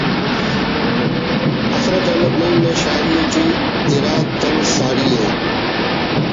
اصل اٹ احمد نعیم نا شاعری ٹی ہرا طنزساڑی ءِ